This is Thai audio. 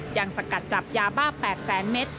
ยังสะกัดจับยาบ้า๘๐๐๐๐๐เมตร